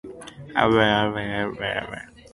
He followed Phileas Fogg's route as closely as possible.